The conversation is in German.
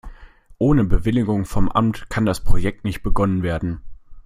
Ohne Bewilligung vom Amt kann das Projekt nicht begonnen werden.